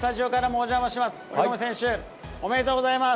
おめでとうございます。